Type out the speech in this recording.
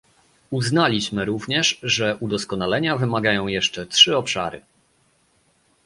Uznaliśmy również, że udoskonalenia wymagają jeszcze trzy obszary